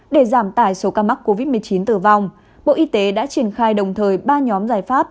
để giảm tải số ca mắc covid một mươi chín tử vong bộ y tế đã triển khai đồng thời ba nhóm giải pháp